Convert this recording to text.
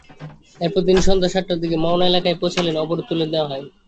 এরপর তিনি সন্ধ্যা সাতটার দিকে মাওনা এলাকায় পৌঁছালে অবরোধ তুলে নেওয়া হয়।